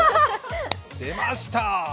出ました。